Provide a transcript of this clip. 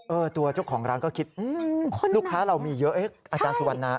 ตัวเจ้าของร้านก็คิดลูกค้าเรามีเยอะเอ๊ะอาจารย์สุวรรณะ